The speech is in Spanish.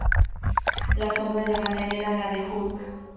La sombra de Banner era la de Hulk.